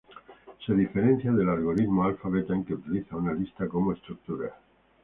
Se diferencia del algoritmo alfa-beta en que utiliza una lista como estructura.